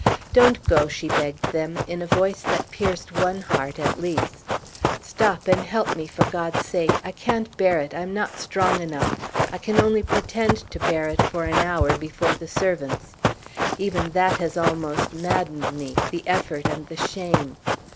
"Don't go!" she begged them, in a voice that pierced one heart at least. "Stop and help me, for God's sake! I can't bear it. I am not strong enough. I can only pretend to bear it, for an hour, before the servants. Even that has almost maddened me, the effort, and the shame."